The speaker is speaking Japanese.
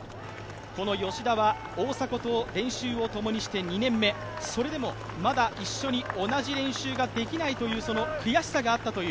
吉田は大迫と練習を共にして２年目それでもまだ一緒に同じ練習ができないという悔しさがあったという。